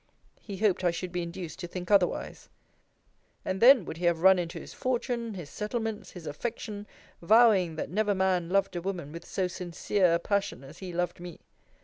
He hoped I should be induced to think otherwise. And then would he have run into his fortune, his settlements, his affection vowing, that never man loved a woman with so sincere a passion as he loved me.